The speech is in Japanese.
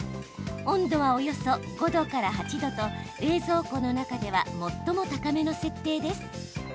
温度はおよそ５度から８度と冷蔵庫の中では最も高めの設定です。